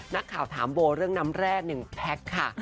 นักข่าวถามโบเรื่องน้ำแร่๑แพ็คค่ะ